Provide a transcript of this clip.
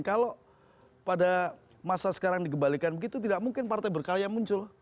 kalau pada masa sekarang dikembalikan begitu tidak mungkin partai berkarya muncul